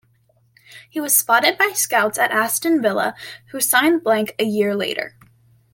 He was spotted by scouts at Aston Villa who signed Blake a year later.